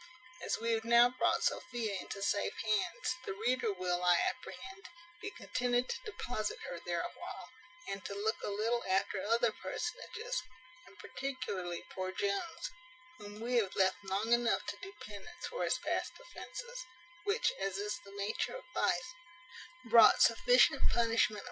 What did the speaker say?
As we have now brought Sophia into safe hands, the reader will, I apprehend, be contented to deposit her there a while, and to look a little after other personages, and particularly poor Jones, whom we have left long enough to do penance for his past offences, which, as is the nature of vice, brought sufficient punishment upon him themselves.